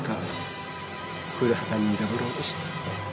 古畑任三郎でした。